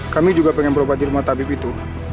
kami juga pengen berobat di rumah tabib itu